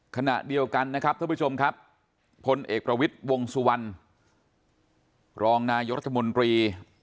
ขณะเดียวกันนะครับท่านผู้ชมครับพลเอกประวิทย์วงสุวรรณรองนายกรัฐมนตรี